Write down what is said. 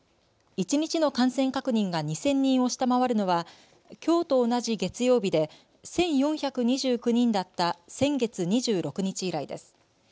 一日の感染確認が２０００人を下回るのはきょうと同じ月曜日で１４２９人だった先月２６日以来です。